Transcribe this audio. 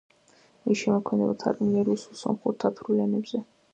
მისი შემოქმედება თარგმნილია რუსულ, სომხურ, თათრულ ენებზე.